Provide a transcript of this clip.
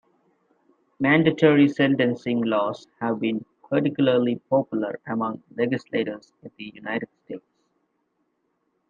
Mandatory sentencing laws have been particularly popular among legislators in the United States.